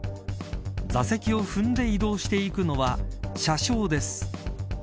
座席を踏んで移動していくのは車掌です。